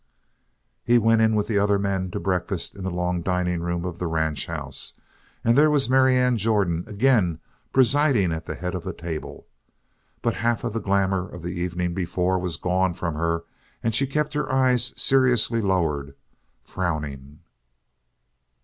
He went in with the other men to breakfast in the long dining room of the ranch house, and there was Marianne Jordan again presiding at the head of the table. But half of the glamour of the evening before was gone from her and she kept her eyes seriously lowered, frowning.